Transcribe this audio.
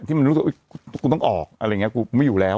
มันรู้สึกว่ากูต้องออกอะไรอย่างนี้กูไม่อยู่แล้ว